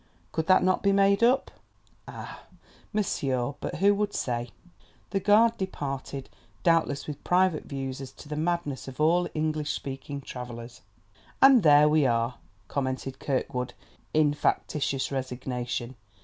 Could that not be made up? Ah, Monsieur, but who should say? The guard departed, doubtless with private views as to the madness of all English speaking travelers. "And there we are!" commented Kirkwood in factitious resignation.